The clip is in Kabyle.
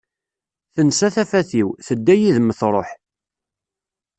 Tensa tafat-iw, tedda yid-m truḥ.